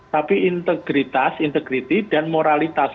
tapi integritas integriti dan moralitas